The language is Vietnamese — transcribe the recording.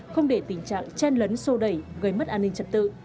không để tình trạng chen lấn sô đẩy gây mất an ninh trật tự